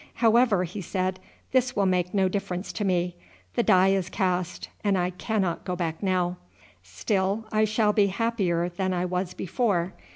"However," he said, "this will make no difference to me. The die is cast, and I cannot go back now. Still I shall be happier than I was before.